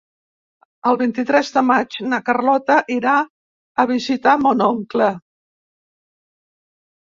El vint-i-tres de maig na Carlota irà a visitar mon oncle.